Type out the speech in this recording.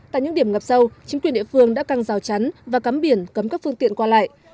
tại những điểm ngập sâu chính quyền địa phương đã căng rào chắn và cắm biển cấm các phương tiện qua lại